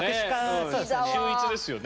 秀逸ですよね。